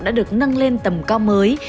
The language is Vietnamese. đã được nâng lên tầm cao mới